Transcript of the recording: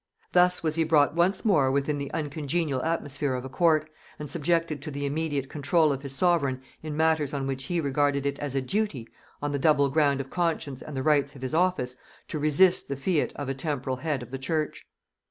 Thus was he brought once more within the uncongenial atmosphere of a court, and subjected to the immediate control of his sovereign in matters on which he regarded it as a duty, on the double ground of conscience and the rights of his office, to resist the fiat of a temporal head of the church.